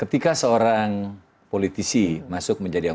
dan memilih komisi selatan dan memilih komisi selatan dan memilih komisi selatan